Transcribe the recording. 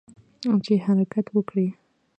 چې حرکت وکړي.